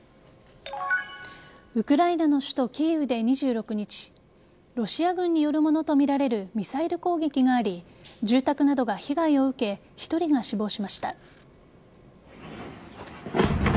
ウクライナの首都・キーウで２６日ロシア軍によるものとみられるミサイル攻撃があり住宅などが被害を受け１人が死亡しました。